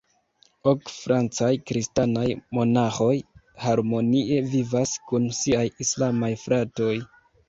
Ok francaj kristanaj monaĥoj harmonie vivas kun siaj islamaj fratoj.